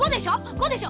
「ご」でしょ。